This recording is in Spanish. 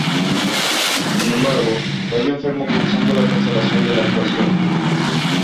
Sin embargo, cayó enfermo causando la cancelación de la actuación.